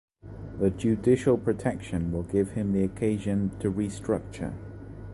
The judicial protection will give him the occasion to restructure.